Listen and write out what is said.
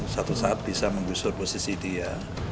suatu saat bisa menggusur posisi dia